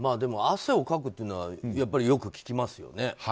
汗をかくというのはやっぱりよく聞きますよね。